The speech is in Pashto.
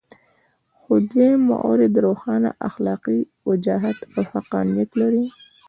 خو دویم مورد روښانه اخلاقي وجاهت او حقانیت لري.